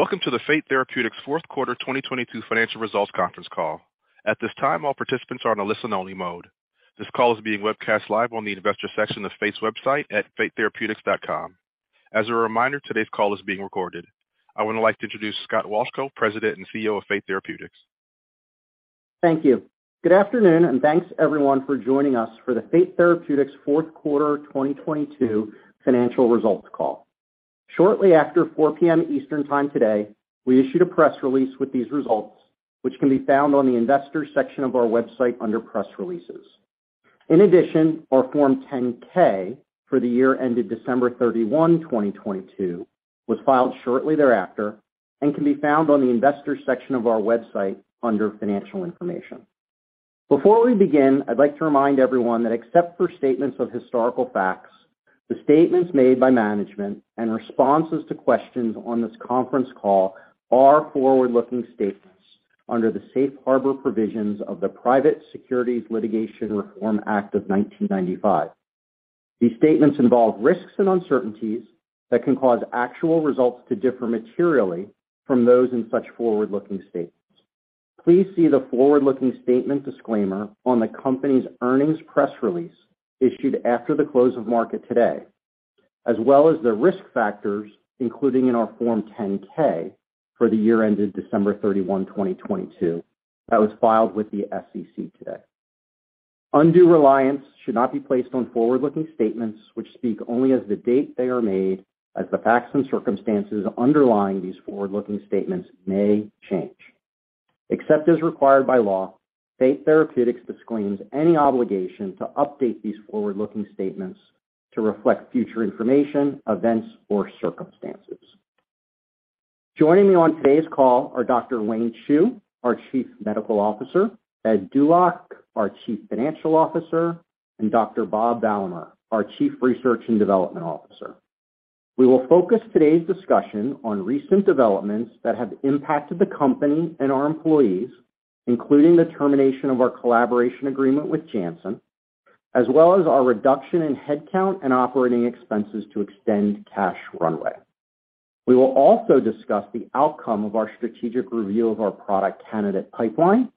Welcome to the Fate Therapeutics Fourth Quarter 2022 Financial Results Conference Call. At this time, all participants are on a listen-only mode. This call is being webcast live on the investor section of Fate's website at fatetherapeutics.com. As a reminder, today's call is being recorded. I would like to introduce Scott Wolchko, President and CEO of Fate Therapeutics. Thank you. Good afternoon, thanks, everyone, for joining us for the Fate Therapeutics fourth quarter 2022 financial results call. Shortly after 4:00 P.M. Eastern Time today, we issued a press release with these results, which can be found on the investors section of our website under press releases. In addition, our Form 10-K for the year ended December 31, 2022 was filed shortly thereafter and can be found on the investors section of our website under financial information. Before we begin, I'd like to remind everyone that except for statements of historical facts, the statements made by management and responses to questions on this conference call are forward-looking statements under the Safe Harbor provisions of the Private Securities Litigation Reform Act of 1995. These statements involve risks and uncertainties that can cause actual results to differ materially from those in such forward-looking statements. Please see the forward-looking statement disclaimer on the company's earnings press release issued after the close of market today, as well as the risk factors, including in our Form 10-K for the year ended December 31, 2022, that was filed with the SEC today. Undue reliance should not be placed on forward-looking statements which speak only as the date they are made, as the facts and circumstances underlying these forward-looking statements may change. Except as required by law, Fate Therapeutics disclaims any obligation to update these forward-looking statements to reflect future information, events, or circumstances. Joining me on today's call are Dr. Wayne Chu, our Chief Medical Officer, Ed Dulac, our Chief Financial Officer, and Dr. Bob Valamehr, our Chief Research and Development Officer. We will focus today's discussion on recent developments that have impacted the company and our employees, including the termination of our collaboration agreement with Janssen, as well as our reduction in headcount and operating expenses to extend cash runway. We will also discuss the outcome of our strategic review of our product candidate pipeline,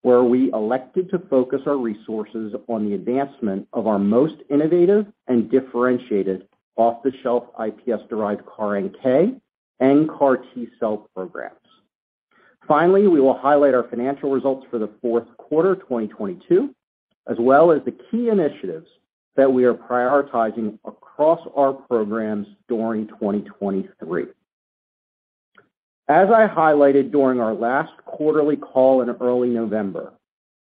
where we elected to focus our resources on the advancement of our most innovative and differentiated off-the-shelf iPSC-derived CAR-NK and CAR T-cell programs. We will highlight our financial results for the fourth quarter 2022, as well as the key initiatives that we are prioritizing across our programs during 2023. As I highlighted during our last quarterly call in early November,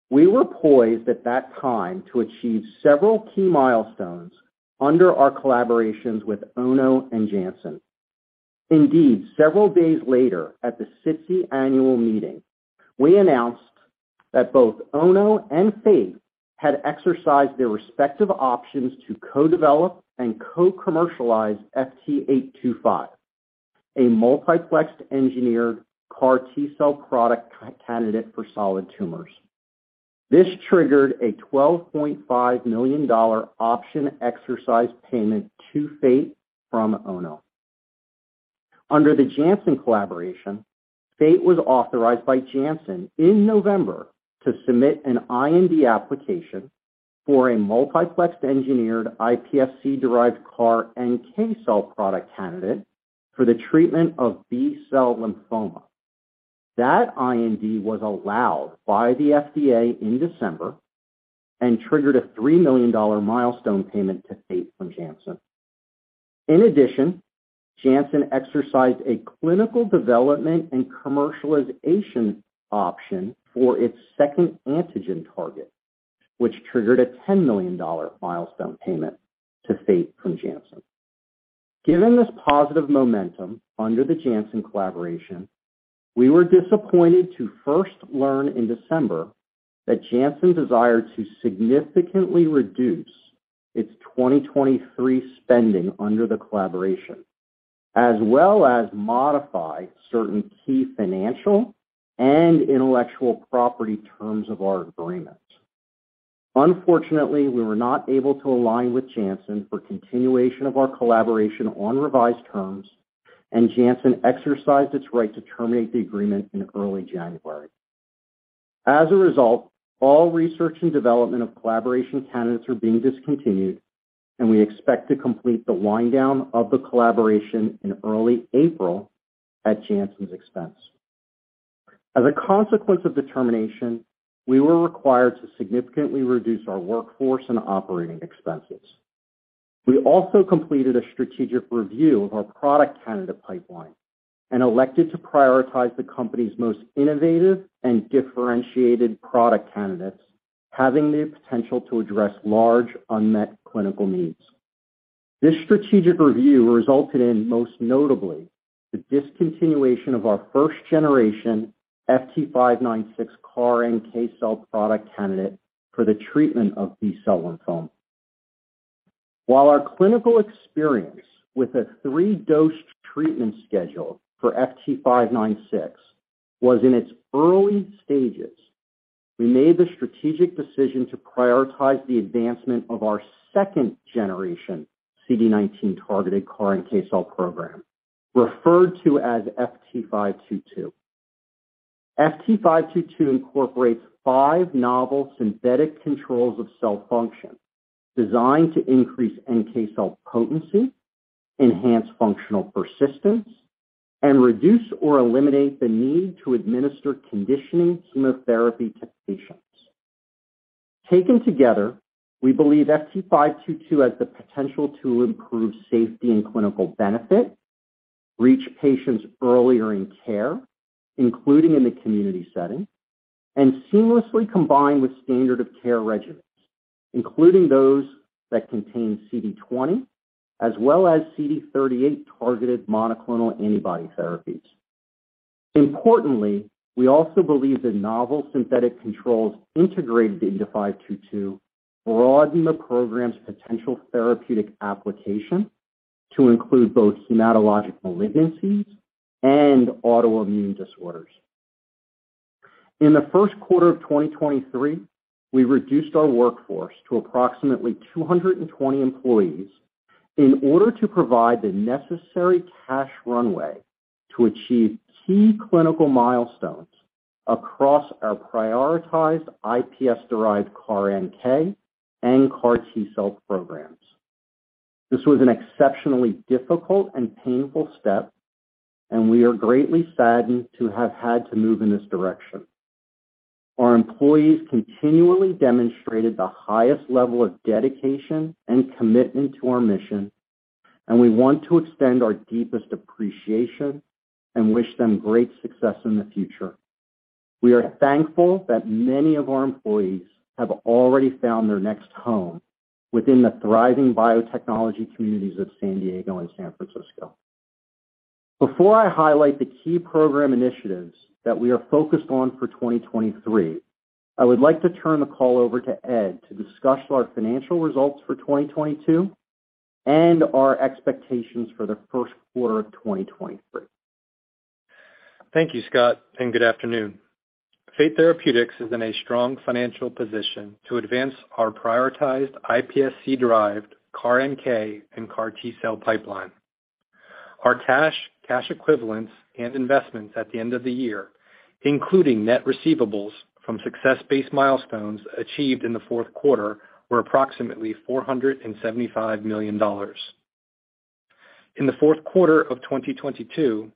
we were poised at that time to achieve several key milestones under our collaborations with ONO and Janssen. Indeed, several days later at the SITC annual meeting, we announced that both ONO and Fate had exercised their respective options to co-develop and co-commercialize FT825, a multiplex engineered CAR T-cell product candidate for solid tumors. This triggered a $12.5 million option exercise payment to Fate from ONO. Under the Janssen collaboration, Fate was authorized by Janssen in November to submit an IND application for a multiplex engineered iPSC-derived CAR NK cell product candidate for the treatment of B-cell lymphoma. That IND was allowed by the FDA in December and triggered a $3 million milestone payment to Fate from Janssen. In addition, Janssen exercised a clinical development and commercialization option for its second antigen target, which triggered a $10 million milestone payment to Fate from Janssen. Given this positive momentum under the Janssen collaboration, we were disappointed to first learn in December that Janssen desired to significantly reduce its 2023 spending under the collaboration, as well as modify certain key financial and intellectual property terms of our agreement. Unfortunately, we were not able to align with Janssen for continuation of our collaboration on revised terms, and Janssen exercised its right to terminate the agreement in early January. As a result, all research and development of collaboration candidates are being discontinued, and we expect to complete the wind down of the collaboration in early April at Janssen's expense. As a consequence of the termination, we were required to significantly reduce our workforce and operating expenses. We also completed a strategic review of our product candidate pipeline and elected to prioritize the company's most innovative and differentiated product candidates having the potential to address large unmet clinical needs. This strategic review resulted in, most notably, the discontinuation of our first generation FT596 CAR NK cell product candidate for the treatment of B-cell lymphoma. While our clinical experience with a three-dose treatment schedule for FT596 was in its early stages. We made the strategic decision to prioritize the advancement of our second-generation CD19-targeted CAR and NK cell program, referred to as FT522. FT522 incorporates five novel synthetic controls of cell function designed to increase NK cell potency, enhance functional persistence, and reduce or eliminate the need to administer conditioning chemotherapy to patients. Taken together, we believe FT522 has the potential to improve safety and clinical benefit, reach patients earlier in care, including in the community setting, and seamlessly combine with standard of care regimens, including those that contain CD20 as well as CD38-targeted monoclonal antibody therapies. Importantly, we also believe the novel synthetic controls integrated into FT522 broaden the program's potential therapeutic application to include both hematologic malignancies and autoimmune disorders. In the first quarter of 2023, we reduced our workforce to approximately 220 employees in order to provide the necessary cash runway to achieve key clinical milestones across our prioritized iPS-derived CAR-NK and CAR T-cell programs. This was an exceptionally difficult and painful step, and we are greatly saddened to have had to move in this direction. Our employees continually demonstrated the highest level of dedication and commitment to our mission. We want to extend our deepest appreciation and wish them great success in the future. We are thankful that many of our employees have already found their next home within the thriving biotechnology communities of San Diego and San Francisco. Before I highlight the key program initiatives that we are focused on for 2023, I would like to turn the call over to Ed to discuss our financial results for 2022 and our expectations for the first quarter of 2023. Thank you, Scott, and good afternoon. Fate Therapeutics is in a strong financial position to advance our prioritized iPSC-derived CAR-NK and CAR T-cell pipeline. Our cash equivalents, and investments at the end of the year, including net receivables from success-based milestones achieved in the fourth quarter, were approximately $475 million. In the fourth quarter of 2022,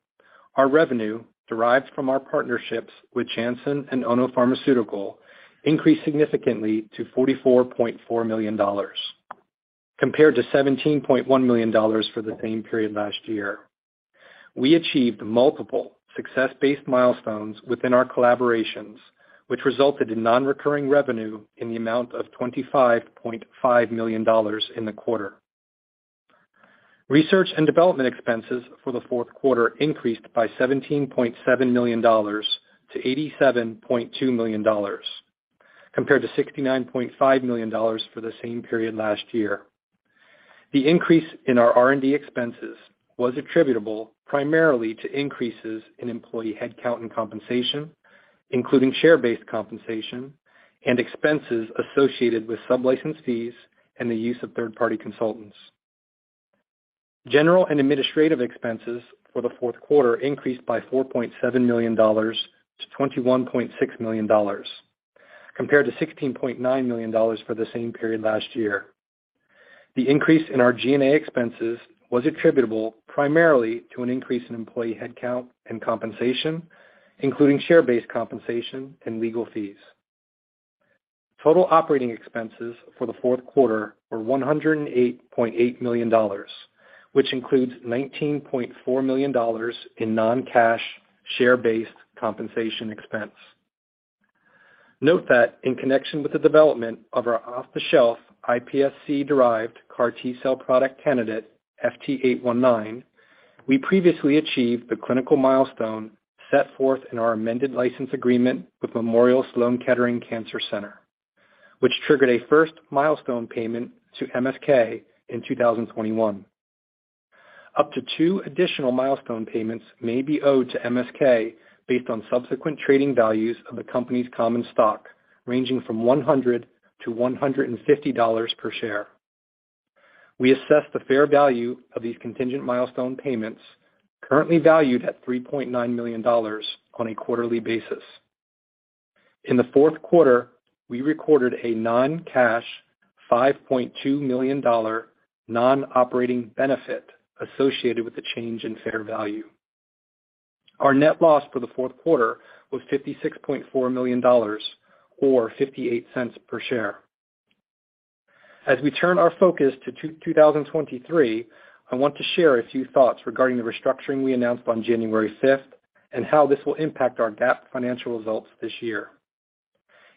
our revenue derived from our partnerships with Janssen and ONO Pharmaceutical increased significantly to $44.4 million, compared to $17.1 million for the same period last year. We achieved multiple success-based milestones within our collaborations, which resulted in non-recurring revenue in the amount of $25.5 million in the quarter. Research and development expenses for the fourth quarter increased by $17.7 million to $87.2 million, compared to $69.5 million for the same period last year. The increase in our R&D expenses was attributable primarily to increases in employee headcount and compensation, including share-based compensation and expenses associated with license fees and the use of third-party consultants. General and administrative expenses for the fourth quarter increased by $4.7 million to $21.6 million, compared to $16.9 million for the same period last year. The increase in our G&A expenses was attributable primarily to an increase in employee headcount and compensation, including share-based compensation and legal fees. Total operating expenses for the fourth quarter were $108.8 million, which includes $19.4 million in non-cash share-based compensation expense. Note that in connection with the development of our off-the-shelf iPSC-derived CAR T-cell product candidate, FT819, we previously achieved the clinical milestone set forth in our amended license agreement with Memorial Sloan Kettering Cancer Center, which triggered a first milestone payment to MSK in 2021. Up to two additional milestone payments may be owed to MSK based on subsequent trading values of the company's common stock, ranging from $100-$150 per share. We assess the fair value of these contingent milestone payments currently valued at $3.9 million on a quarterly basis. In the fourth quarter, we recorded a non-cash $5.2 million non-operating benefit associated with the change in fair value. Our net loss for the fourth quarter was $56.4 million or $0.58 per share. As we turn our focus to 2023, I want to share a few thoughts regarding the restructuring we announced on January fifth and how this will impact our GAAP financial results this year.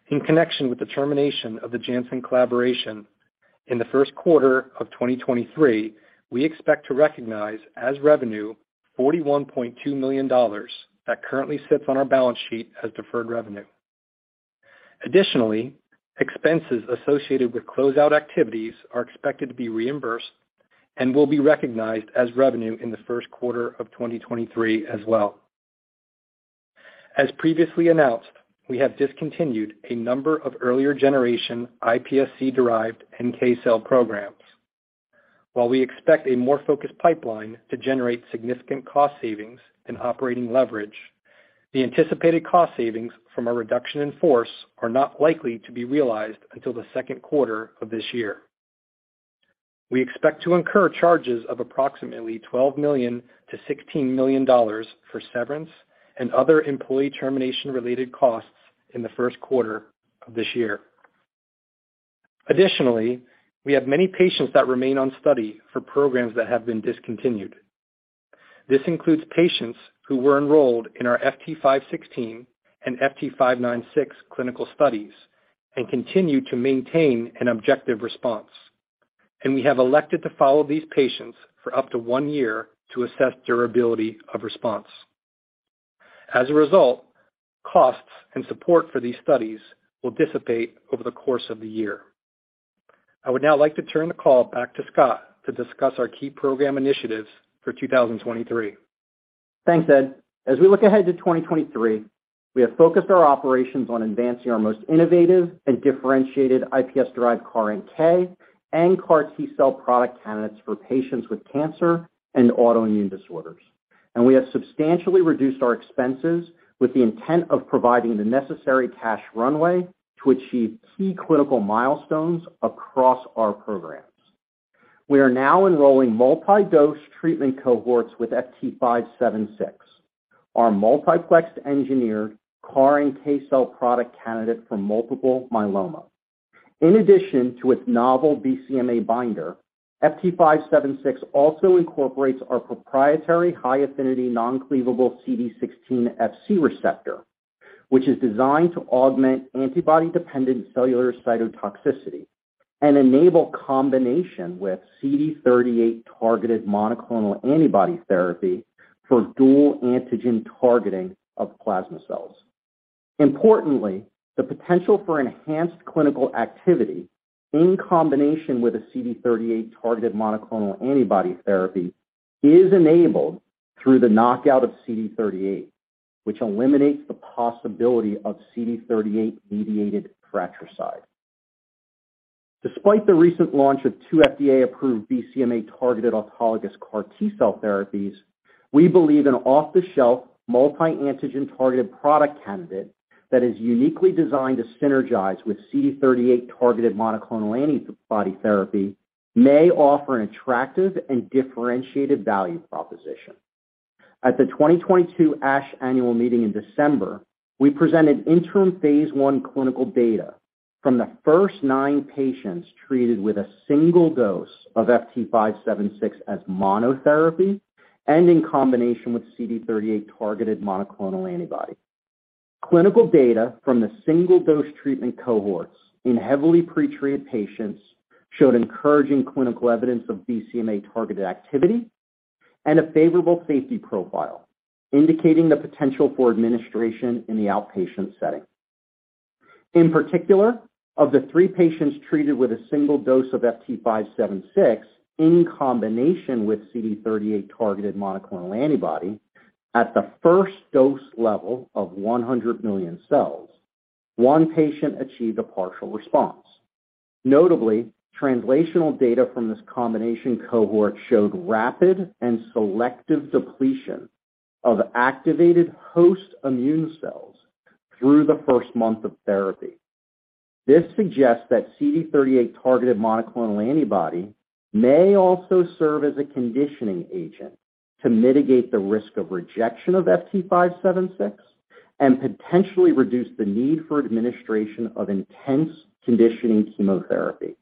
In connection with the termination of the Janssen collaboration in the first quarter of 2023, we expect to recognize as revenue $41.2 million that currently sits on our balance sheet as deferred revenue. Additionally, expenses associated with closeout activities are expected to be reimbursed and will be recognized as revenue in the first quarter of 2023 as well. As previously announced, we have discontinued a number of earlier generation iPSC-derived NK cell programs. While we expect a more focused pipeline to generate significant cost savings and operating leverage, the anticipated cost savings from our reduction in force are not likely to be realized until the second quarter of this year. We expect to incur charges of approximately $12 million-$16 million for severance and other employee termination-related costs in the first quarter of this year. Additionally, we have many patients that remain on study for programs that have been discontinued. This includes patients who were enrolled in our FT516 and FT596 clinical studies and continue to maintain an objective response. We have elected to follow these patients for up to one year to assess durability of response. As a result, costs and support for these studies will dissipate over the course of the year. I would now like to turn the call back to Scott to discuss our key program initiatives for 2023. Thanks, Ed. As we look ahead to 2023, we have focused our operations on advancing our most innovative and differentiated iPSC-derived CAR-NK and CAR T-cell product candidates for patients with cancer and autoimmune disorders. We have substantially reduced our expenses with the intent of providing the necessary cash runway to achieve key clinical milestones across our programs. We are now enrolling multi-dose treatment cohorts with FT576, our multiplexed engineered CAR-NK cell product candidate for multiple myeloma. In addition to its novel BCMA binder, FT576 also incorporates our proprietary high-affinity non-cleavable CD16 Fc receptor, which is designed to augment antibody-dependent cellular cytotoxicity and enable combination with CD38-targeted monoclonal antibody therapy for dual antigen targeting of plasma cells. Importantly, the potential for enhanced clinical activity in combination with a CD38-targeted monoclonal antibody therapy is enabled through the knockout of CD38, which eliminates the possibility of CD38-mediated fratricide. Despite the recent launch of two FDA-approved BCMA-targeted autologous CAR T-cell therapies, we believe an off-the-shelf multi-antigen targeted product candidate that is uniquely designed to synergize with CD38-targeted monoclonal antibody therapy may offer an attractive and differentiated value proposition. At the 2022 ASH annual meeting in December, we presented interim phase I clinical data from the first nine patients treated with a single dose of FT576 as monotherapy and in combination with CD38-targeted monoclonal antibody. Clinical data from the single dose treatment cohorts in heavily pretreated patients showed encouraging clinical evidence of BCMA-targeted activity and a favorable safety profile, indicating the potential for administration in the outpatient setting. In particular, of the three patients treated with a single dose of FT576 in combination with CD38-targeted monoclonal antibody at the first dose level of 100 million cells, one patient achieved a partial response. Notably, translational data from this combination cohort showed rapid and selective depletion of activated host immune cells through the first month of therapy. This suggests that CD38-targeted monoclonal antibody may also serve as a conditioning agent to mitigate the risk of rejection of FT576 and potentially reduce the need for administration of intense conditioning chemotherapy.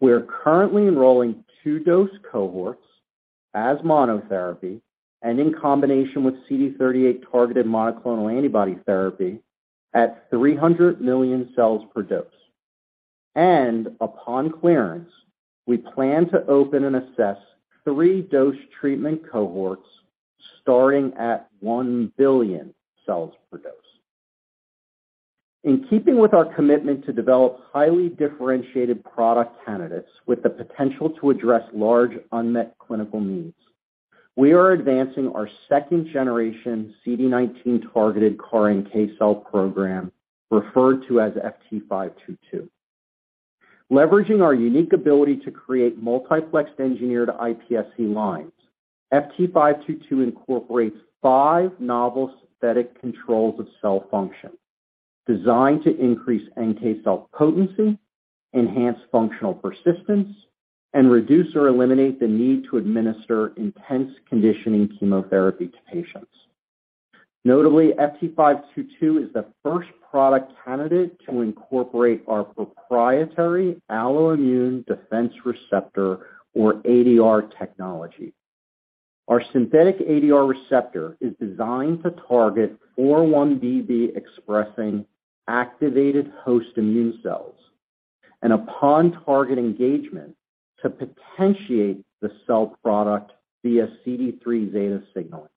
We are currently enrolling two dose cohorts as monotherapy and in combination with CD38-targeted monoclonal antibody therapy at 300 million cells per dose. Upon clearance, we plan to open and assess three dose treatment cohorts starting at 1 billion cells per dose. In keeping with our commitment to develop highly differentiated product candidates with the potential to address large unmet clinical needs, we are advancing our second-generation CD19-targeted CAR NK cell program, referred to as FT522. Leveraging our unique ability to create multiplexed engineered iPSC lines, FT522 incorporates five novel synthetic controls of cell function designed to increase NK cell potency, enhance functional persistence, and reduce or eliminate the need to administer intense conditioning chemotherapy to patients. Notably, FT522 is the first product candidate to incorporate our proprietary alloimmune defense receptor, or ADR technology. Our synthetic ADR receptor is designed to target 4-1BB expressing activated host immune cells, and upon target engagement to potentiate the cell product via CD3 zeta signaling.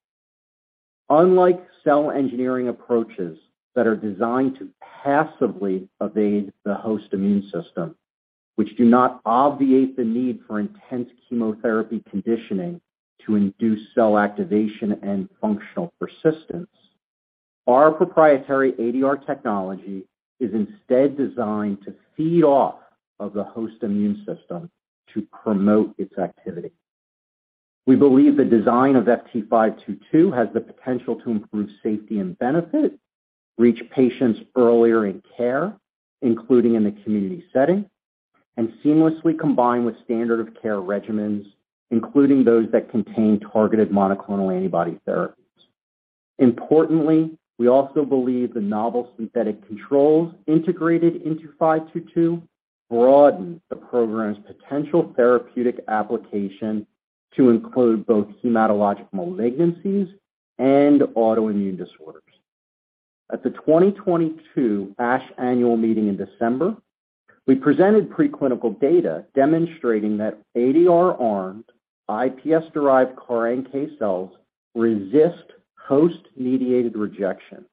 Unlike cell engineering approaches that are designed to passively evade the host immune system, which do not obviate the need for intense chemotherapy conditioning to induce cell activation and functional persistence, our proprietary ADR technology is instead designed to feed off of the host immune system to promote its activity. We believe the design of FT522 has the potential to improve safety and benefit, reach patients earlier in care, including in the community setting, and seamlessly combine with standard of care regimens, including those that contain targeted monoclonal antibody therapies. Importantly, we also believe the novel synthetic controls integrated into FT522 broaden the program's potential therapeutic application to include both hematologic malignancies and autoimmune disorders. At the 2022 ASH annual meeting in December, we presented preclinical data demonstrating that ADR-armed iPS-derived CAR NK cells resist host-mediated rejection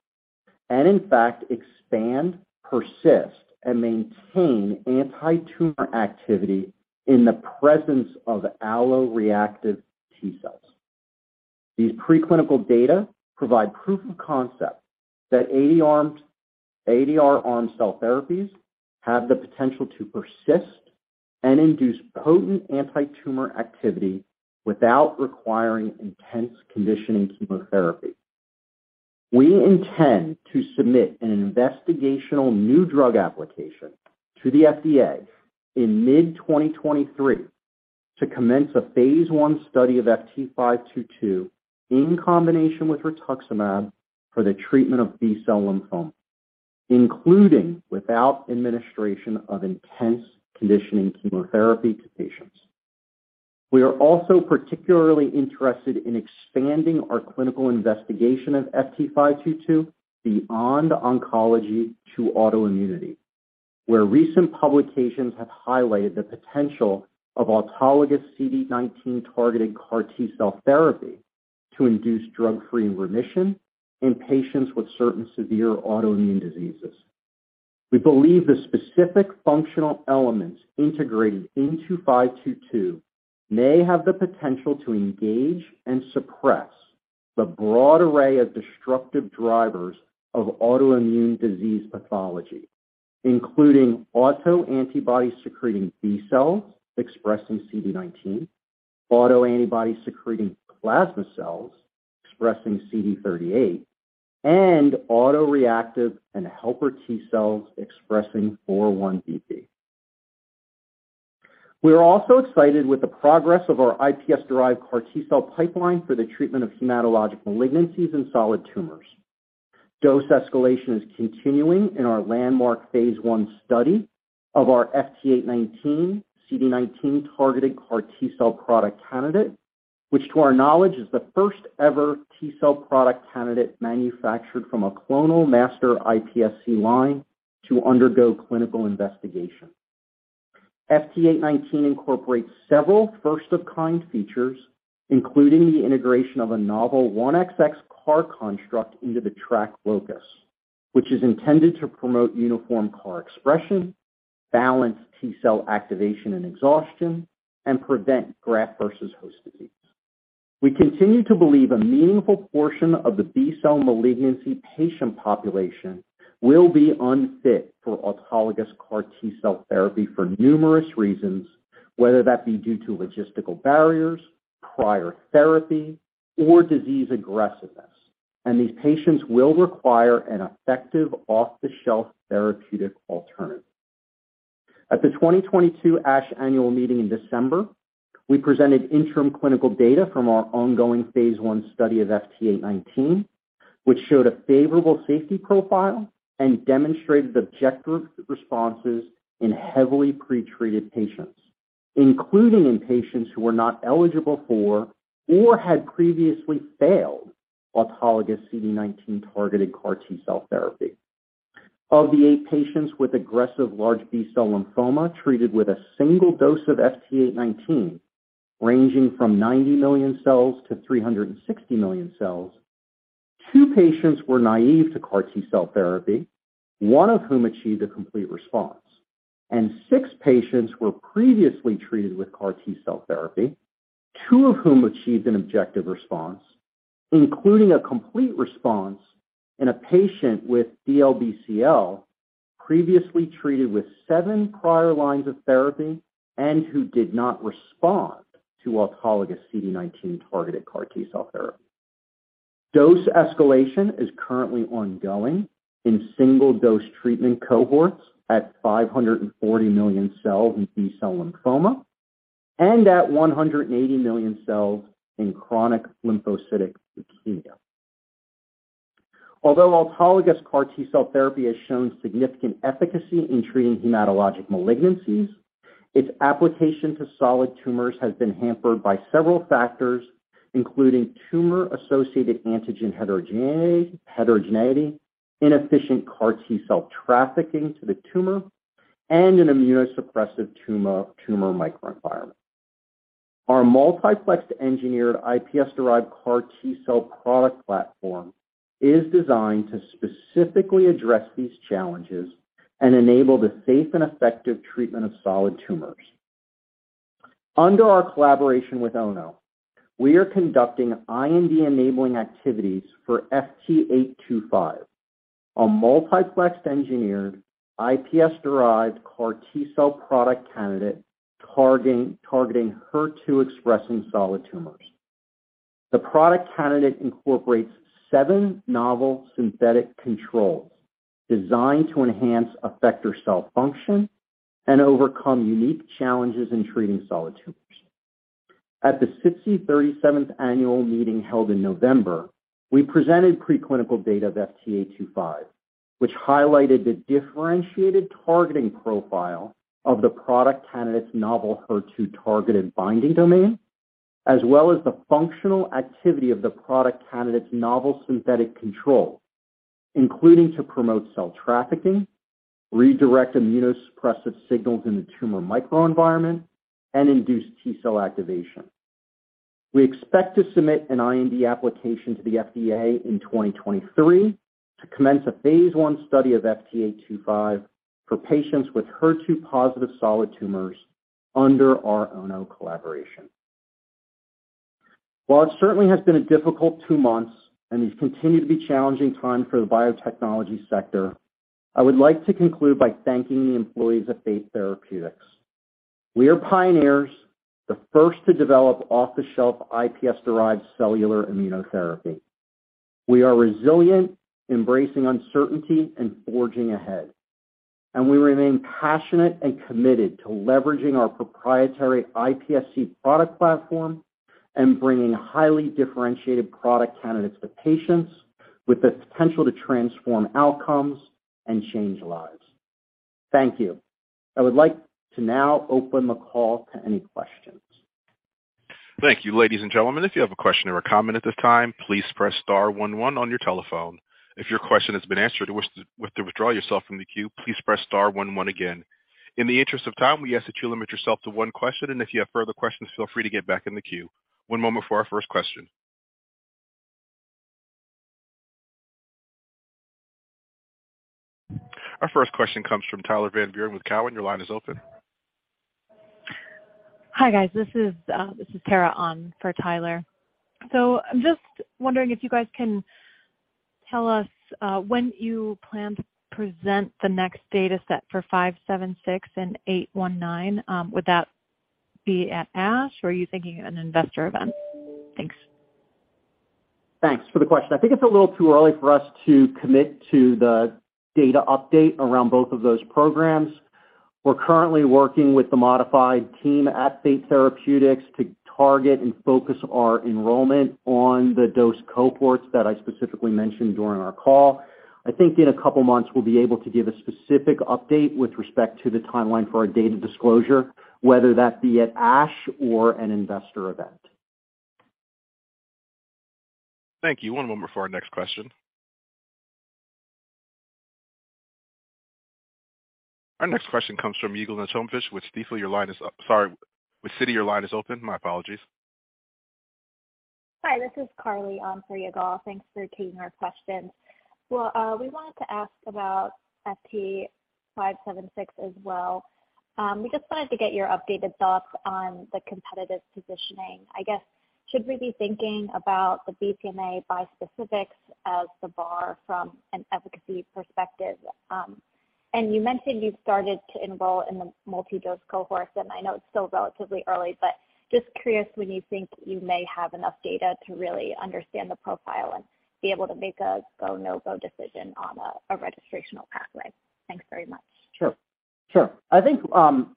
and in fact expand, persist, and maintain antitumor activity in the presence of alloreactive T cells. These preclinical data provide proof of concept that ADR-armed cell therapies have the potential to persist and induce potent antitumor activity without requiring intense conditioning chemotherapy. We intend to submit an investigational new drug application to the FDA in mid-2023 to commence a phase I study of FT522 in combination with rituximab for the treatment of B-cell lymphoma, including without administration of intense conditioning chemotherapy to patients. We are also particularly interested in expanding our clinical investigation of FT522 beyond oncology to autoimmunity, where recent publications have highlighted the potential of autologous CD19-targeted CAR T-cell therapy to induce drug-free remission in patients with certain severe autoimmune diseases. We believe the specific functional elements integrated into FT522 may have the potential to engage and suppress the broad array of destructive drivers of autoimmune disease pathology, including autoantibody-secreting B cells expressing CD19, autoantibody-secreting plasma cells expressing CD38, and autoreactive and helper T cells expressing 4-1BB. We are also excited with the progress of our iPSC-derived CAR T-cell pipeline for the treatment of hematologic malignancies and solid tumors. Dose escalation is continuing in our landmark phase I study of our FT819 CD19-targeted CAR T-cell product candidate, which to our knowledge is the first ever T-cell product candidate manufactured from a clonal master iPSC line to undergo clinical investigation. FT819 incorporates several first of kind features, including the integration of a novel 1XX CAR construct into the TRAC locus, which is intended to promote uniform CAR expression, balance T-cell activation and exhaustion, and prevent graft-versus-host disease. These patients will require an effective off-the-shelf therapeutic alternative. At the 2022 ASH annual meeting in December, we presented interim clinical data from our ongoing phase I study of FT819, which showed a favorable safety profile and demonstrated objective responses in heavily pretreated patients, including in patients who were not eligible for or had previously failed autologous CD19-targeted CAR T-cell therapy. Of the eight patients with aggressive large B-cell lymphoma treated with a single dose of FT819, ranging from 90 million cells to 360 million cells, two patients were naive to CAR T-cell therapy, one of whom achieved a complete response, and six patients were previously treated with CAR T-cell therapy, two of whom achieved an objective response, including a complete response in a patient with DLBCL previously treated with seven prior lines of therapy and who did not respond to autologous CD19-targeted CAR T-cell therapy. Dose escalation is currently ongoing in single-dose treatment cohorts at 540 million cells in B-cell lymphoma and at 180 million cells in chronic lymphocytic leukemia. Although autologous CAR T-cell therapy has shown significant efficacy in treating hematologic malignancies, its application to solid tumors has been hampered by several factors, including tumor-associated antigen heterogeneity, inefficient CAR T-cell trafficking to the tumor, and an immunosuppressive tumor microenvironment. Our multiplex engineered iPSC-derived CAR T-cell product platform is designed to specifically address these challenges and enable the safe and effective treatment of solid tumors. Under our collaboration with ONO, we are conducting IND-enabling activities for FT825, a multiplex engineered iPSC-derived CAR T-cell product candidate targeting HER2 expressing solid tumors. The product candidate incorporates seven novel synthetic controls designed to enhance effector cell function and overcome unique challenges in treating solid tumors. At the SITC 37th annual meeting held in November, we presented preclinical data of FT825, which highlighted the differentiated targeting profile of the product candidate's novel HER2-targeted binding domain, as well as the functional activity of the product candidate's novel synthetic control, including to promote cell trafficking, redirect immunosuppressive signals in the tumor microenvironment, and induce T-cell activation. We expect to submit an IND application to the FDA in 2023 to commence a phase I study of FT825 for patients with HER2-positive solid tumors under our ONO collaboration. While it certainly has been a difficult two months and these continue to be challenging time for the biotechnology sector, I would like to conclude by thanking the employees of Fate Therapeutics. We are pioneers, the first to develop off-the-shelf iPSC-derived cellular immunotherapy. We are resilient, embracing uncertainty and forging ahead. We remain passionate and committed to leveraging our proprietary iPSC product platform and bringing highly differentiated product candidates to patients with the potential to transform outcomes and change lives. Thank you. I would like to now open the call to any questions. Thank you. Ladies and gentlemen, if you have a question or a comment at this time, please press star one, one on your telephone. If your question has been answered and wish to withdraw yourself from the queue, please press star one, one again. In the interest of time, we ask that you limit yourself to one question, and if you have further questions, feel free to get back in the queue. One moment for our first question. Our first question comes from Tyler Van Buren with Cowen. Your line is open. Hi, guys. This is Tara on for Tyler. I'm just wondering if you guys can tell us when you plan to present the next dataset for FT576 and FT819. Would that be at ASH, or are you thinking of an investor event? Thanks. Thanks for the question. I think it's a little too early for us to commit to the data update around both of those programs. We're currently working with the modified team at Fate Therapeutics to target and focus our enrollment on the dose cohorts that I specifically mentioned during our call. I think in a couple of months, we'll be able to give a specific update with respect to the timeline for our data disclosure, whether that be at ASH or an investor event. Thank you. One moment for our next question. Our next question comes from Yigal Nochomovitz with Stifel. Your line is up. Sorry. With Citi, your line is open. My apologies. Hi, this is Carly on for Yigal. Thanks for taking our question. Well, we wanted to ask about FT576 as well. We just wanted to get your updated thoughts on the competitive positioning. I guess, should we be thinking about the BCMA bispecifics as the bar from an efficacy perspective? You mentioned you've started to enroll in the multi-dose cohort, and I know it's still relatively early, but just curious when you think you may have enough data to really understand the profile and be able to make a go, no-go decision on a registrational pathway. Thanks very much. Sure. Sure. I think,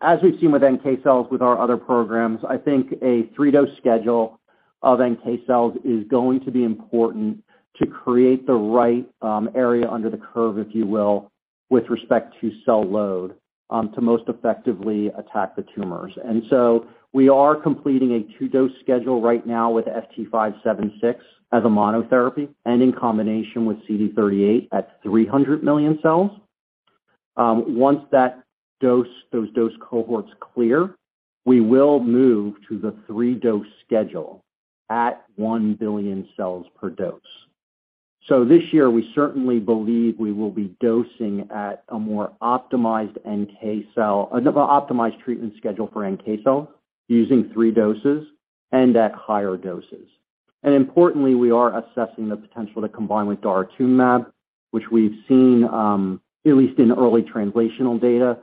as we've seen with NK cells with our other programs, I think a three-dose schedule of NK cells is going to be important to create the right area under the curve, if you will, with respect to cell load, to most effectively attack the tumors. We are completing a two-dose schedule right now with FT576 as a monotherapy and in combination with CD38 at 300 million cells. Once that dose, those dose cohorts clear, we will move to the three-dose schedule at 1 billion cells per dose. This year, we certainly believe we will be dosing at a more optimized NK cell an optimized treatment schedule for NK cell using three doses and at higher doses. Importantly, we are assessing the potential to combine with daratumumab, which we've seen, at least in early translational data,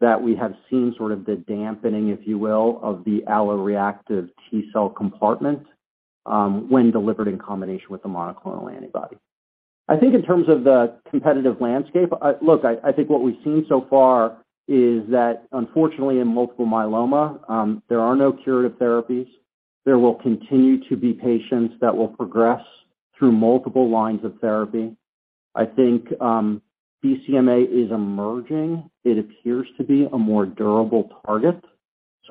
that we have seen sort of the dampening, if you will, of the alloreactive T-cell compartment, when delivered in combination with the monoclonal antibody. I think in terms of the competitive landscape, look, I think what we've seen so far is that unfortunately in multiple myeloma, there are no curative therapies. There will continue to be patients that will progress through multiple lines of therapy. I think, BCMA is emerging. It appears to be a more durable target.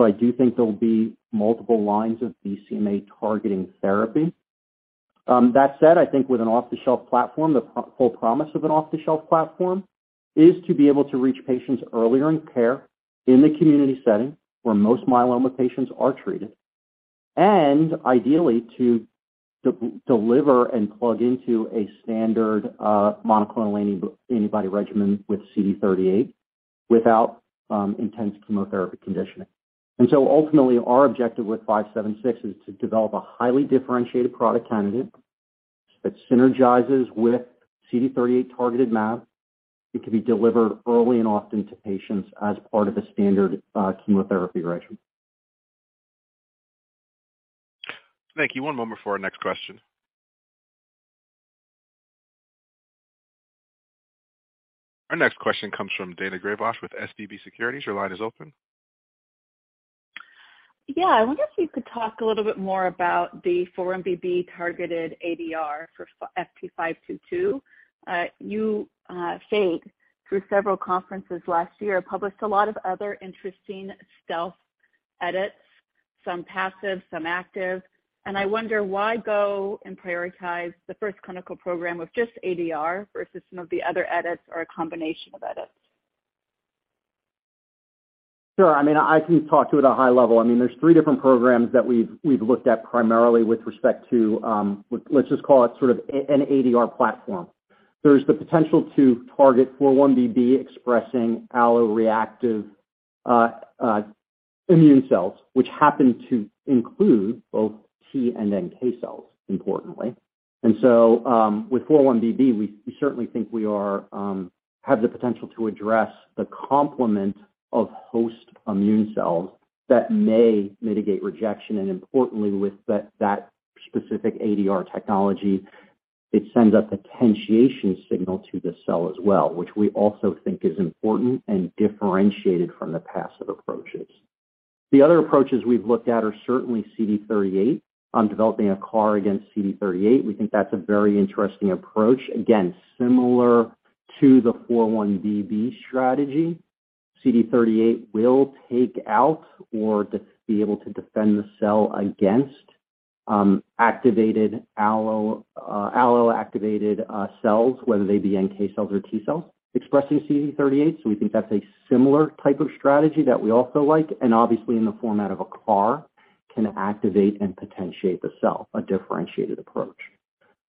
I do think there will be multiple lines of BCMA targeting therapy. That said, I think with an off-the-shelf platform, the full promise of an off-the-shelf platform is to be able to reach patients earlier in care in the community setting where most myeloma patients are treated, and ideally to deliver and plug into a standard monoclonal anti-antibody regimen with CD38 without intense chemotherapy conditioning. Ultimately our objective with FT576 is to develop a highly differentiated product candidate that synergizes with CD38 targeted mAb. It can be delivered early and often to patients as part of a standard chemotherapy regimen. Thank you. One moment for our next question. Our next question comes from Daina Graybosch with SVB Securities. Your line is open. Yeah. I wonder if you could talk a little bit more about the 4-1BB targeted ADR for FT522. You, Fate through several conferences last year, published a lot of other interesting stealth edits, some passive, some active. I wonder why go and prioritize the first clinical program with just ADR versus some of the other edits or a combination of edits. Sure. I mean, I can talk to you at a high level. I mean, there's 3 different programs that we've looked at primarily with respect to, let's just call it sort of an ADR platform. There's the potential to target 4-1BB expressing alloreactive immune cells, which happen to include both T and NK cells, importantly. With 4-1BB, we certainly think we are have the potential to address the complement of host immune cells that may mitigate rejection. Importantly, with that specific ADR technology, it sends a potentiation signal to the cell as well, which we also think is important and differentiated from the passive approaches. The other approaches we've looked at are certainly CD38 on developing a CAR against CD38. We think that's a very interesting approach. Again, similar to the 4-1BB strategy. CD38 will take out or be able to defend the cell against, activated allo-activated, cells, whether they be NK cells or T cells expressing CD38. We think that's a similar type of strategy that we also like, and obviously in the format of a CAR can activate and potentiate the cell, a differentiated approach.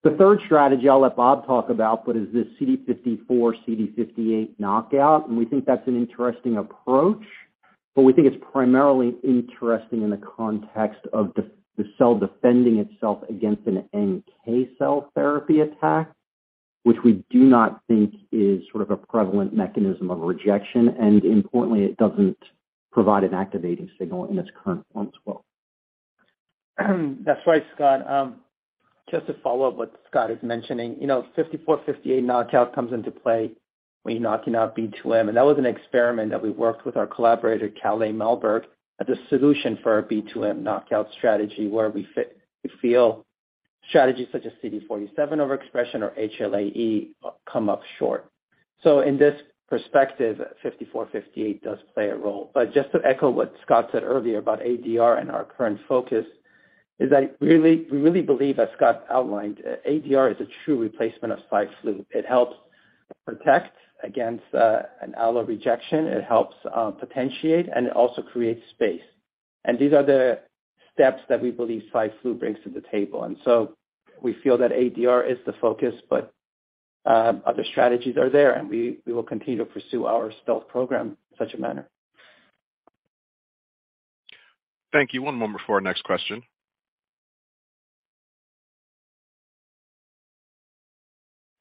The third strategy I'll let Bob talk about, but is this CD54, CD58 knockout, and we think that's an interesting approach, but we think it's primarily interesting in the context of the cell defending itself against an NK cell therapy attack, which we do not think is sort of a prevalent mechanism of rejection, and importantly, it doesn't provide an activating signal in its current form as well. That's right, Scott. Just to follow up what Scott is mentioning, you know, CD54, CD58 knockout comes into play when you're knocking out B2M, and that was an experiment that we worked with our collaborator, Karl-Johan Malmberg, as a solution for a B2M knockout strategy where we feel strategies such as CD47 overexpression or HLA-E come up short. In this perspective, CD54, CD58 does play a role. Just to echo what Scott said earlier about ADR and our current focus is that really, we really believe, as Scott outlined, ADR is a true replacement of Spike Flu. It helps protect against an allo rejection. It helps potentiate, and it also creates space. These are the steps that we believe Spike Flu brings to the table. We feel that ADR is the focus, but other strategies are there, and we will continue to pursue our stealth program in such a manner. Thank you. One moment before our next question.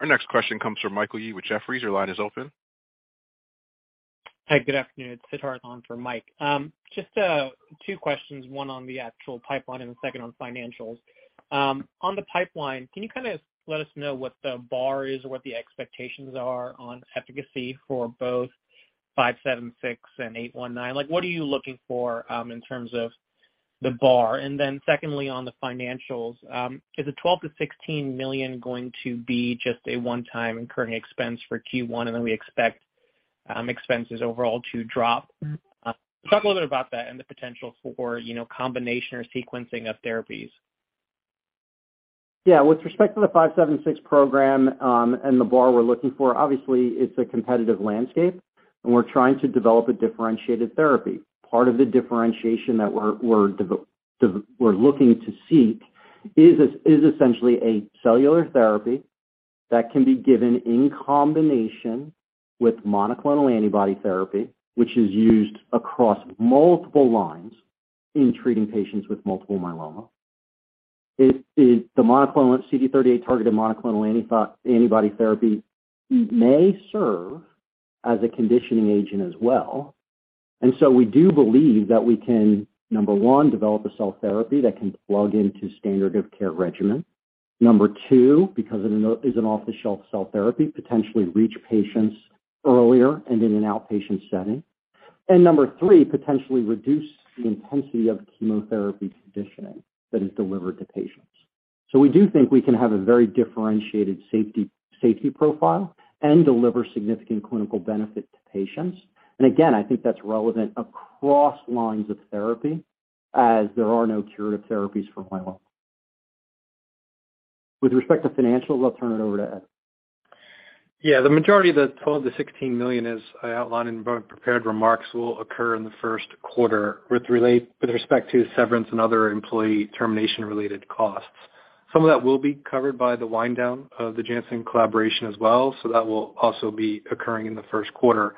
Our next question comes from Michael Yee with Jefferies. Your line is open. Hi, good afternoon. It's Siddharth on for Mike. Just two questions, one on the actual pipeline and the second on financials. On the pipeline, can you kind of let us know what the bar is or what the expectations are on efficacy for both FT576 and FT819? Like, what are you looking for in terms of the bar? Secondly, on the financials, is the $12 million-$16 million going to be just a one-time incurring expense for Q1 and then we expect expenses overall to drop? Talk a little bit about that and the potential for, you know, combination or sequencing of therapies. With respect to the FT576 program, and the bar we're looking for, obviously it's a competitive landscape, and we're trying to develop a differentiated therapy. Part of the differentiation that we're looking to seek is essentially a cellular therapy that can be given in combination with monoclonal antibody therapy, which is used across multiple lines in treating patients with multiple myeloma. The monoclonal CD38-targeted monoclonal antibody therapy may serve as a conditioning agent as well. So we do believe that we can, number one, develop a cell therapy that can plug into standard of care regimen. Number two, because it is an off-the-shelf cell therapy, potentially reach patients earlier and in an outpatient setting. Number three, potentially reduce the intensity of chemotherapy conditioning that is delivered to patients. We do think we can have a very differentiated safety profile and deliver significant clinical benefit to patients. Again, I think that's relevant across lines of therapy as there are no curative therapies for myeloma. With respect to financials, I'll turn it over to Ed. Yeah. The majority of the $12 million-$16 million, as I outlined in my prepared remarks, will occur in the first quarter with respect to severance and other employee termination-related costs. Some of that will be covered by the wind down of the Janssen collaboration as well. That will also be occurring in the first quarter.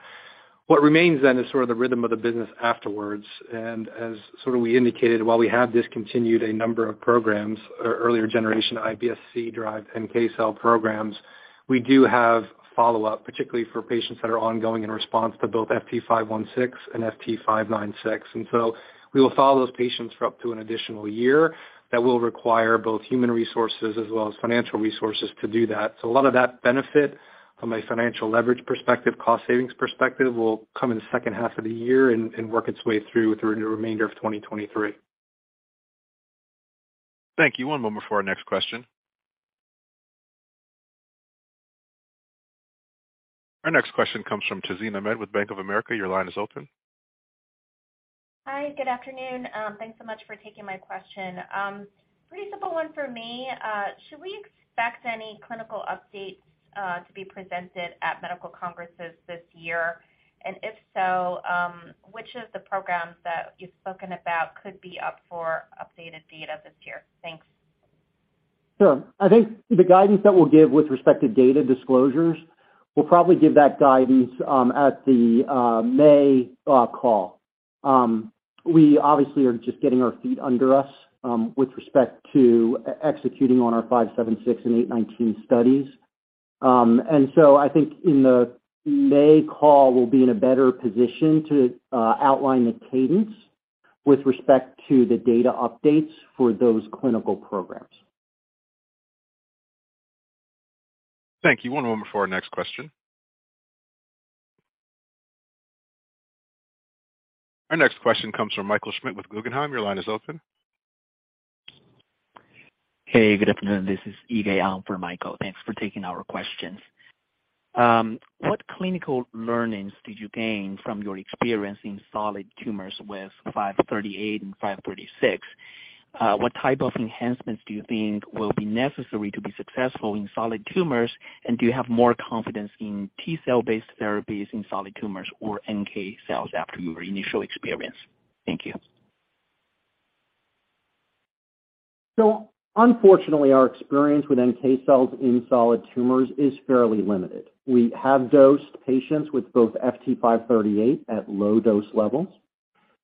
What remains then is sort of the rhythm of the business afterwards, and as sort of we indicated, while we have discontinued a number of programs, or earlier generation iPSC-derived NK cell programs, we do have follow-up, particularly for patients that are ongoing in response to both FT516 and FT596. We will follow those patients for up to an additional year. That will require both human resources as well as financial resources to do that. A lot of that benefit from a financial leverage perspective, cost savings perspective, will come in the second half of the year and work its way through the remainder of 2023. Thank you. One moment for our next question. Our next question comes from Tazeen Ahmad with Bank of America. Your line is open. Hi, good afternoon. Thanks so much for taking my question. Pretty simple one for me. Should we expect any clinical updates to be presented at medical conferences this year? If so, which of the programs that you've spoken about could be up for updated data this year? Thanks. Sure. I think the guidance that we'll give with respect to data disclosures, we'll probably give that guidance at the May call. We obviously are just getting our feet under us with respect to executing on our FT576 and FT819 studies. I think in the May call, we'll be in a better position to outline the cadence with respect to the data updates for those clinical programs. Thank you. One moment for our next question. Our next question comes from Michael Schmidt with Guggenheim. Your line is open. Hey, good afternoon. This is Yigal for Michael. Thanks for taking our questions. What clinical learnings did you gain from your experience in solid tumors with FT538 and FT536? What type of enhancements do you think will be necessary to be successful in solid tumors? Do you have more confidence in T-cell-based therapies in solid tumors or NK cells after your initial experience? Thank you. Unfortunately, our experience with NK cells in solid tumors is fairly limited. We have dosed patients with both FT538 at low dose levels.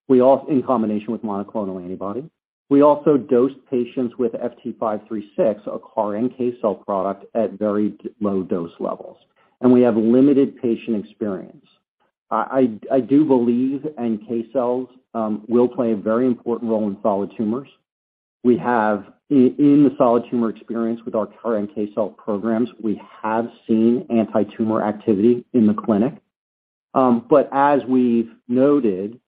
We also in combination with monoclonal antibody. We also dosed patients with FT536, a CAR NK cell product, at very low dose levels. We have limited patient experience. I do believe NK cells will play a very important role in solid tumors. We have in the solid tumor experience with our current NK cell programs, we have seen antitumor activity in the clinic. As we've noted,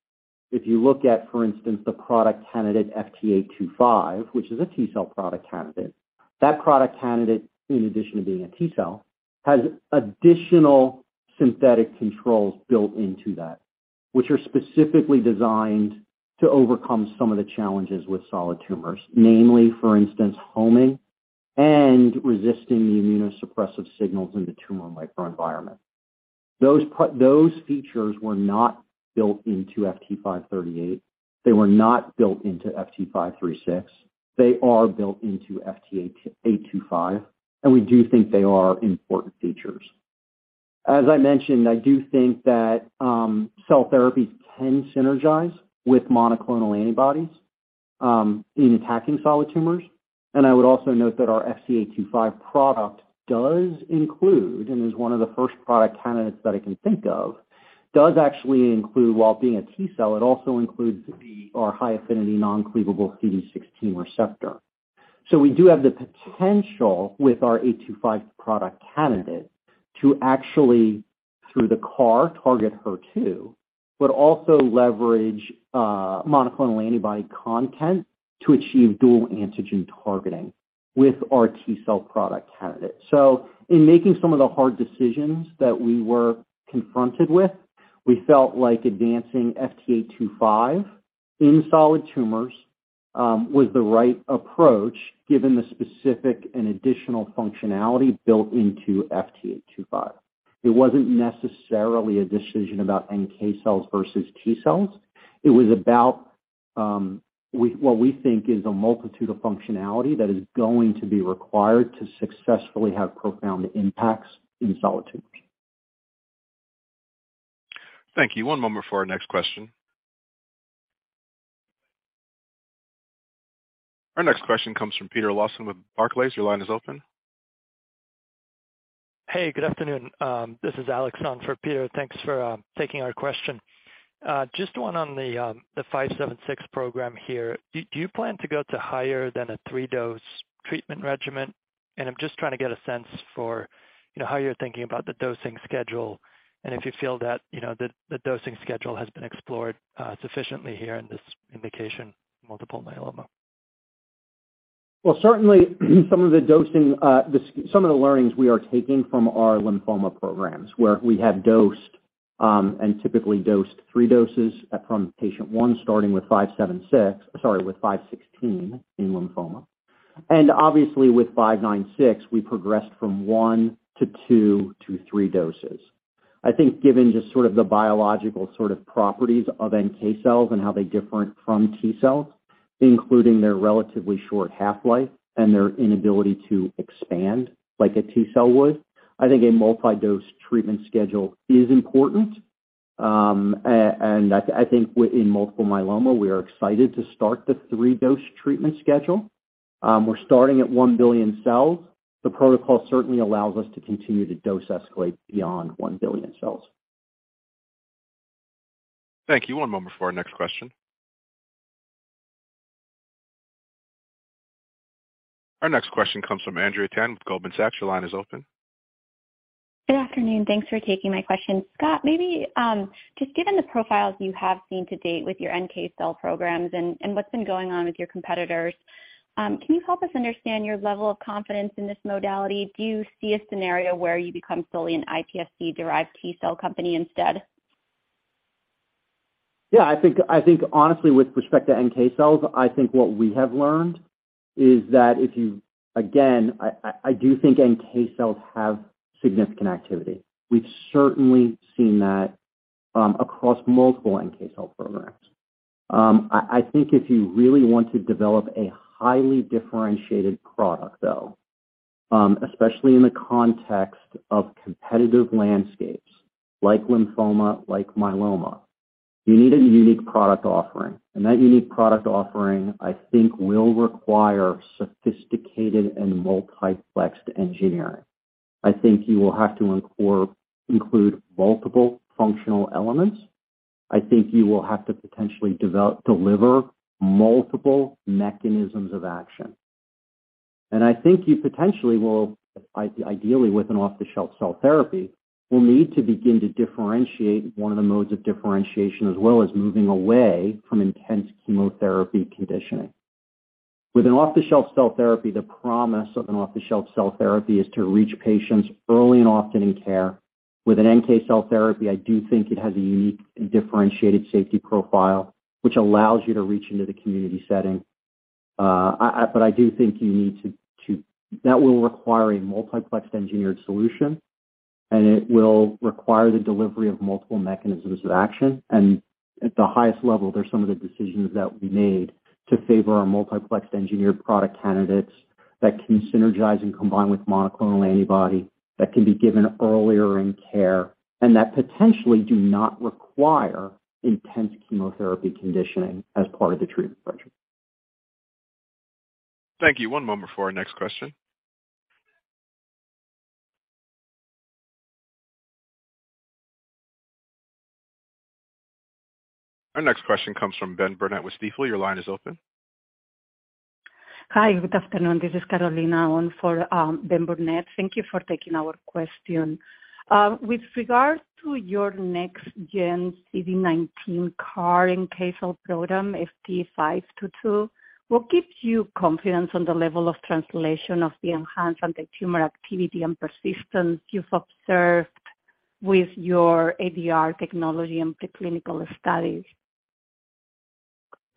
if you look at, for instance, the product candidate FT825, which is a T-cell product candidate, that product candidate in addition to being a T-cell, has additional synthetic controls built into that, which are specifically designed to overcome some of the challenges with solid tumors, namely, for instance, homing and resisting the immunosuppressive signals in the tumor microenvironment. Those features were not built into FT538. They were not built into FT536. They are built into FT825, and we do think they are important features. As I mentioned, I do think that cell therapies can synergize with monoclonal antibodies in attacking solid tumors. I would also note that our FT825 product does include, and is one of the first product candidates that I can think of, does actually include while being a T-cell, it also includes our high affinity non-cleavable CD16 receptor. We do have the potential with our 825 product candidate to actually, through the CAR, target HER2, but also leverage monoclonal antibody content to achieve dual antigen targeting with our T-cell product candidate. In making some of the hard decisions that we were confronted with, we felt like advancing FT825 in solid tumors was the right approach given the specific and additional functionality built into FT825. It wasn't necessarily a decision about NK cells versus T-cells. It was about what we think is a multitude of functionality that is going to be required to successfully have profound impacts in solid tumors. Thank you. One moment for our next question. Our next question comes from Peter Lawson with Barclays. Your line is open. Hey, good afternoon. This is Alex on for Peter. Thanks for taking our question. Just one on the FT576 program here. Do you plan to go to higher than a three-dose treatment regimen? I'm just trying to get a sense for, you know, how you're thinking about the dosing schedule, and if you feel that, you know, the dosing schedule has been explored sufficiently here in this indication, multiple myeloma. Well, certainly, some of the dosing, some of the learnings we are taking from our lymphoma programs, where we have dosed, and typically dosed three doses, from patient one, starting with FT576, sorry, with FT516 in lymphoma. Obviously with FT596, we progressed from one to two to three doses. I think given just sort of the biological sort of properties of NK cells and how they different from T-cells, including their relatively short half-life and their inability to expand like a T-cell would, I think a multi-dose treatment schedule is important. I think in multiple myeloma, we are excited to start the three-dose treatment schedule. We're starting at 1 billion cells. The protocol certainly allows us to continue to dose escalate beyond 1 billion cells. Thank you. One moment for our next question. Our next question comes from Andrea Tan with Goldman Sachs. Your line is open. Good afternoon. Thanks for taking my question. Scott, maybe, just given the profiles you have seen to date with your NK cell programs and what's been going on with your competitors, can you help us understand your level of confidence in this modality? Do you see a scenario where you become solely an iPSC-derived T-cell company instead? Yeah, I think honestly with respect to NK cells, I do think NK cells have significant activity. We've certainly seen that across multiple NK cell programs. I think if you really want to develop a highly differentiated product though, especially in the context of competitive landscapes like lymphoma, like myeloma, you need a unique product offering. That unique product offering, I think, will require sophisticated and multiplexed engineering. I think you will have to include multiple functional elements. I think you will have to potentially deliver multiple mechanisms of action. I think you potentially will, ideally, with an off-the-shelf cell therapy, will need to begin to differentiate one of the modes of differentiation, as well as moving away from intense chemotherapy conditioning. With an off-the-shelf cell therapy, the promise of an off-the-shelf cell therapy is to reach patients early and often in care. With an NK cell therapy, I do think it has a unique and differentiated safety profile, which allows you to reach into the community setting. I. I do think you need to. That will require a multiplexed engineered solution, and it will require the delivery of multiple mechanisms of action. At the highest level, there's some of the decisions that we made to favor our multiplex engineered product candidates that can synergize and combine with monoclonal antibody that can be given earlier in care, and that potentially do not require intense chemotherapy conditioning as part of the treatment regimen. Thank you. One moment for our next question. Our next question comes from Benjamin Burnett with Stifel. Your line is open. Hi, good afternoon. This is Karina on for Ben Burnett. Thank you for taking our question. With regard to your next-gen CD19 CAR-NK cell program, FT522, what gives you confidence on the level of translation of the enhanced anti-tumor activity and persistence you've observed with your ADR technology and the clinical studies?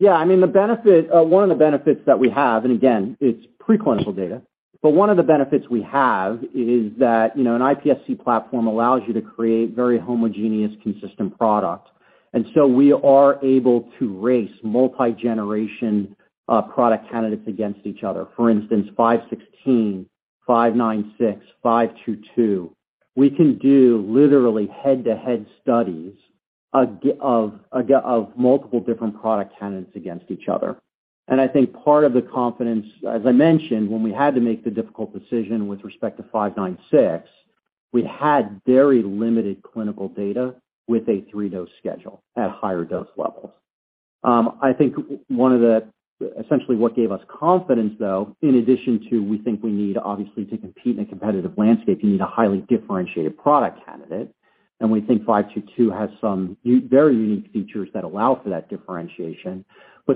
Yeah, I mean, the benefit, one of the benefits that we have, again, it's preclinical data, one of the benefits we have is that, you know, an iPSC platform allows you to create very homogeneous, consistent product. We are able to race multi-generation product candidates against each other. For instance, FT516, FT596, FT522. We can do literally head-to-head studies of multiple different product candidates against each other. I think part of the confidence, as I mentioned, when we had to make the difficult decision with respect to FT596, we had very limited clinical data with a three-dose schedule at higher dose levels. I think one of the, essentially what gave us confidence, though, in addition to we think we need obviously to compete in a competitive landscape, you need a highly differentiated product candidate, and we think FT522 has some very unique features that allow for that differentiation.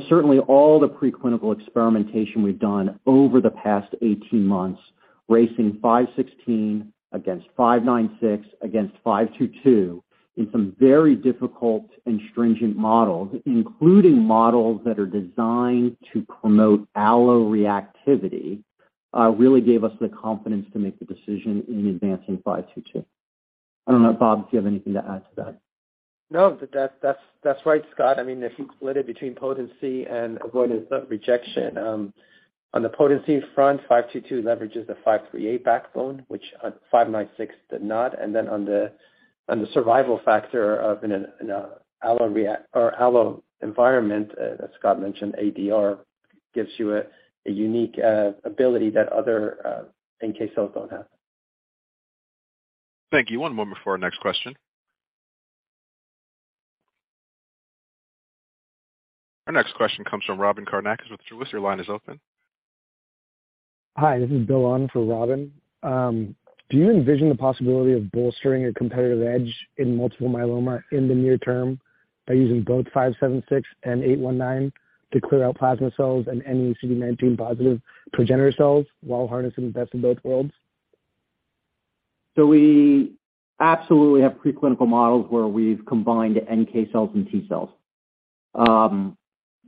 Certainly all the preclinical experimentation we've done over the past 18 months, racing FT516 against FT596 against FT522 in some very difficult and stringent models, including models that are designed to promote alloreactivity, really gave us the confidence to make the decision in advancing FT522. I don't know, Bob, do you have anything to add to that? No, that's right, Scott. I mean, if you split it between potency and avoidance of rejection, on the potency front, FT522 leverages the FT538 backbone, which FT596 did not. On the survival factor of an allo environment, as Scott mentioned, ADR gives you a unique ability that other NK cells don't have. Thank you. One moment for our next question. Our next question comes from Robyn Karnauskas with Truist. Your line is open. Hi, this is Bill On for Robin. Do you envision the possibility of bolstering a competitive edge in multiple myeloma in the near term by using both FT576 and FT819 to clear out plasma cells and any CD19 positive progenitor cells while harnessing the best of both worlds? We absolutely have preclinical models where we've combined NK cells and T cells.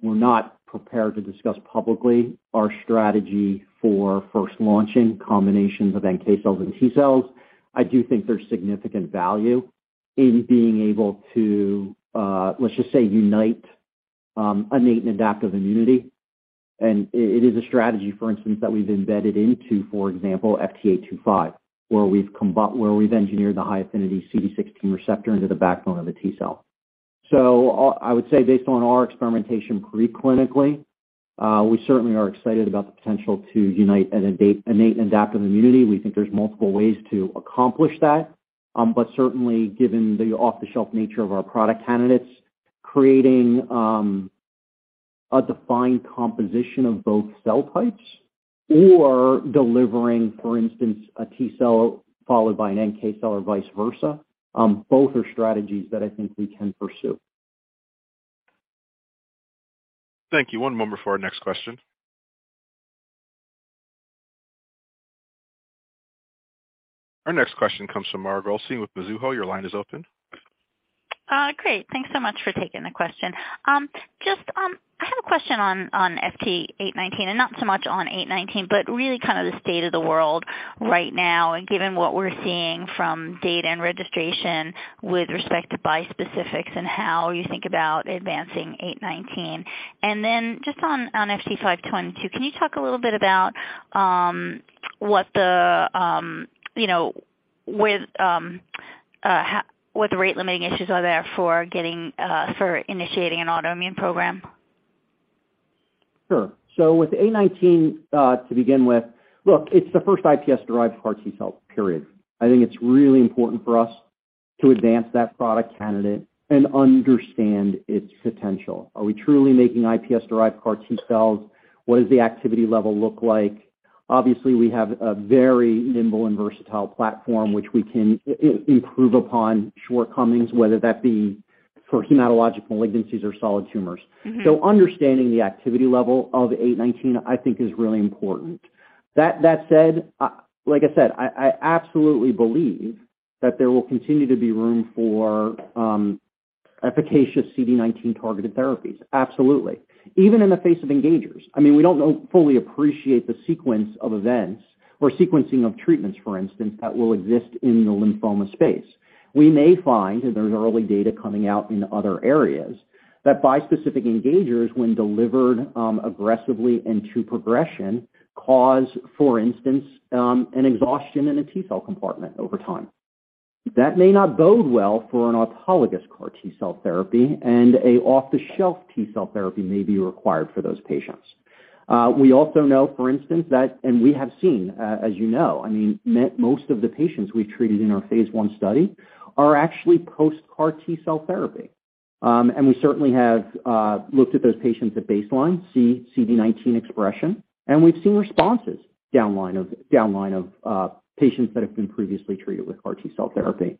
We're not prepared to discuss publicly our strategy for first launching combinations of NK cells and T cells. I do think there's significant value in being able to, let's just say, unite innate and adaptive immunity. It is a strategy, for instance, that we've embedded into, for example, FT825, where we've engineered the high affinity CD16 receptor into the backbone of a T cell. I would say based on our experimentation pre-clinically, we certainly are excited about the potential to unite an innate and adaptive immunity. We think there's multiple ways to accomplish that. Certainly given the off-the-shelf nature of our product candidates, creating, a defined composition of both cell types or delivering, for instance, a T cell followed by an NK cell or vice versa, both are strategies that I think we can pursue. Thank you. One moment for our next question. Our next question comes from Mara Goldstein with Mizuho. Your line is open. Great. Thanks so much for taking the question. Just, I had a question on FT819, and not so much on FT819, but really kind of the state of the world right now and given what we're seeing from data and registration with respect to bispecifics and how you think about advancing FT819. Then just on FT522, can you talk a little bit about what the, you know, with, how, what the rate limiting issues are there for getting for initiating an autoimmune program? Sure. With FT819, to begin with, look, it's the first iPSC-derived CAR T-cell, period. I think it's really important for us to advance that product candidate and understand its potential. Are we truly making iPSC-derived CAR T-cells? What does the activity level look like? Obviously, we have a very nimble and versatile platform which we can improve upon shortcomings, whether that be for hematologic malignancies or solid tumors. Mm-hmm. Understanding the activity level of FT819, I think is really important. That said, like I said, I absolutely believe that there will continue to be room for efficacious CD19 targeted therapies. Absolutely. Even in the face of engagers. I mean, we don't know, fully appreciate the sequence of events or sequencing of treatments, for instance, that will exist in the lymphoma space. We may find, and there's early data coming out in other areas, that bispecific engagers, when delivered aggressively into progression, cause, for instance, an exhaustion in a T-cell compartment over time. That may not bode well for an autologous CAR T-cell therapy and a off-the-shelf T-cell therapy may be required for those patients. We also know, for instance, that, we have seen, as you know, I mean, most of the patients we treated in our phase I study are actually post-CAR T-cell therapy. We certainly have looked at those patients at baseline, CD19 expression, and we've seen responses downline of patients that have been previously treated with CAR T-cell therapy.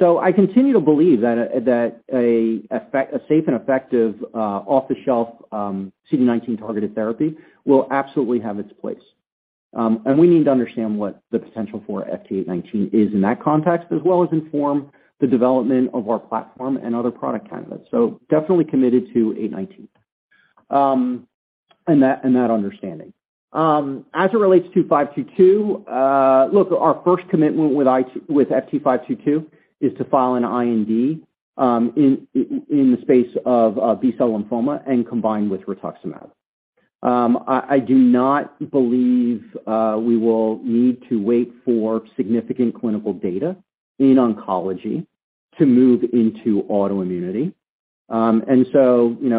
I continue to believe that a, that a safe and effective off-the-shelf CD19 targeted therapy will absolutely have its place. We need to understand what the potential for FT819 is in that context, as well as inform the development of our platform and other product candidates. I definitely committed to FT819. That, and that understanding. As it relates to FT522, our first commitment with FT522 is to file an IND in the space of B-cell lymphoma and combined with Rituximab. I do not believe we will need to wait for significant clinical data in oncology to move into autoimmunity.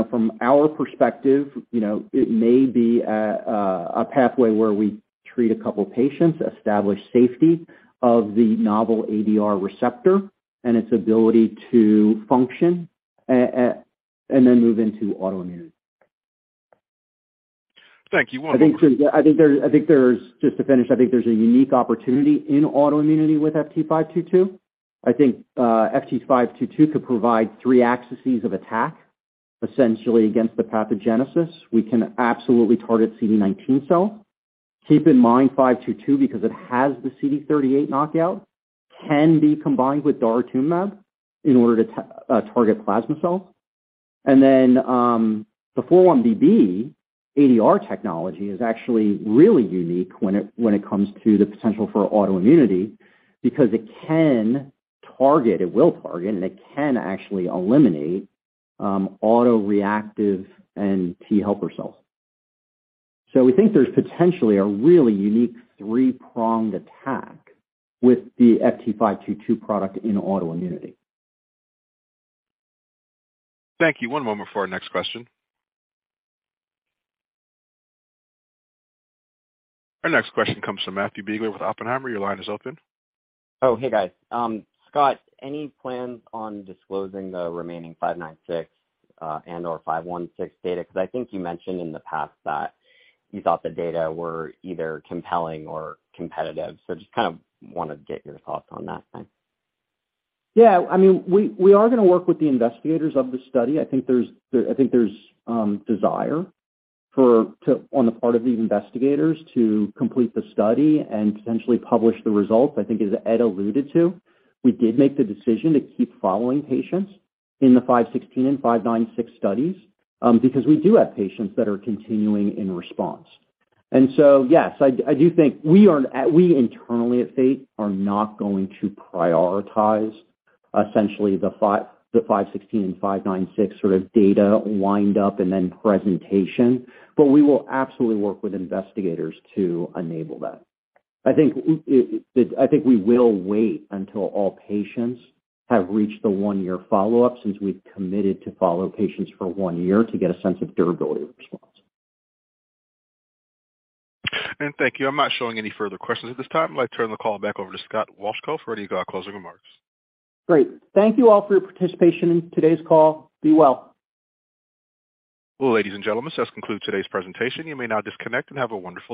From our perspective, you know, it may be a pathway where we treat a couple patients, establish safety of the novel ADR receptor and its ability to function and then move into autoimmunity. Thank you. One moment. I think there's, just to finish, I think there's a unique opportunity in autoimmunity with FT522. I think FT522 could provide three axes of attack, essentially against the pathogenesis. We can absolutely target CD19 cell. Keep in mind, FT 522, because it has the CD38 knockout, can be combined with Daratumumab in order to target plasma cells. Then the 4-1BB ADR technology is actually really unique when it comes to the potential for autoimmunity because it can target, it will target, and it can actually eliminate autoreactive and T helper cells. We think there's potentially a really unique three-pronged attack with the FT522 product in autoimmunity. Thank you. One moment for our next question. Our next question comes from Matt Biegler with Oppenheimer. Your line is open. Hey, guys. Scott, any plans on disclosing the remaining five nine six and/or five one six data? I think you mentioned in the past that you thought the data were either compelling or competitive. Just kind of wanted to get your thoughts on that time. Yeah. I mean, we are gonna work with the investigators of the study. I think there's desire on the part of the investigators to complete the study and potentially publish the results. I think as Ed alluded to, we did make the decision to keep following patients in the FT516 and FT596 studies, because we do have patients that are continuing in response. Yes, I do think we are, we internally at Fate are not going to prioritize essentially the FT516 and FT596 sort of data wind up and then presentation. We will absolutely work with investigators to enable that. I think we will wait until all patients have reached the one-year follow-up, since we've committed to follow patients for one year to get a sense of durability response. Thank you. I'm not showing any further questions at this time. I'd like to turn the call back over to Scott Wolchko for any closing remarks. Great. Thank you all for your participation in today's call. Be well. Ladies and gentlemen, this concludes today's presentation. You may now disconnect and have a wonderful day.